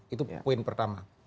itu poin pertama